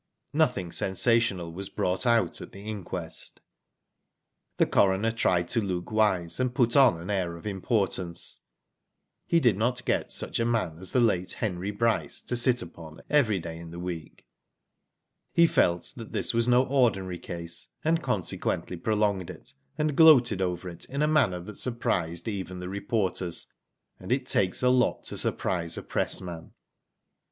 Nothing sensational was brought out at the inquest. The coroner tried to look wise, and put on an air of importance. He did not get such a man as the late Henry Bryce to " sit upon *' every day in the week. He felt this was no ordinary case, and consequently prolonged it, and gloated over it, in a manner that surprised even the reporters, and it takes a lot to surprise a pressman.